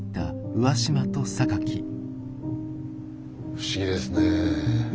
不思議ですねえ